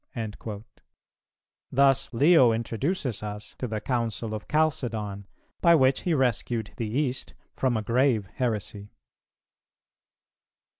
"[308:1] Thus Leo introduces us to the Council of Chalcedon, by which he rescued the East from a grave heresy.